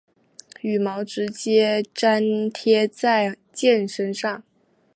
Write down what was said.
羽毛直接粘贴在箭身上。